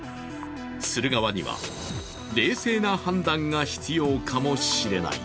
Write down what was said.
する側には、冷静な判断が必要かもしれない。